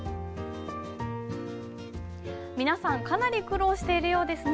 皆さんかなり苦労しているようですね。